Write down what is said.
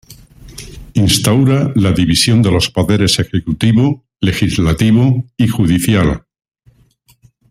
Instaura la división de los poderes ejecutivo, legislativo y judicial.